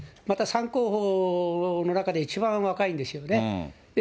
また３候補の中で一番若いんですよね。